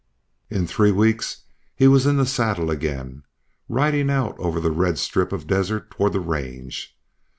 In three weeks he was in the saddle again, riding out over the red strip of desert toward the range.